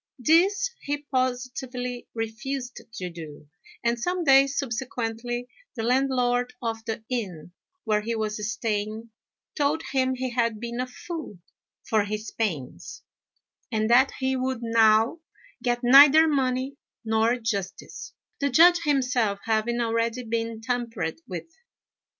This he positively refused to do; and some days subsequently the landlord of the inn, where he was staying, told him he had been a fool for his pains, and that he would now get neither money nor justice, the Judge himself having already been tampered with.